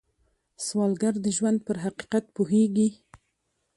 سوالګر د ژوند پر حقیقت پوهېږي